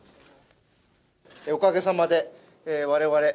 おかげさまでわれわれ